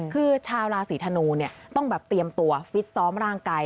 คือชาวราศีธนูเนี่ยต้องแบบเตรียมตัวฟิตซ้อมร่างกาย